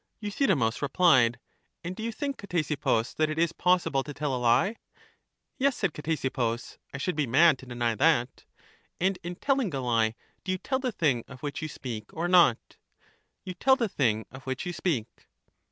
Euthydemus replied : And do you think, Ctesippus, that it is possible to tell a lie? Yes, said Ctesippus; I should be mad to deny that. And in telling a lie, do you tell the thing of which you speak or not? You tell the thing of which you speak.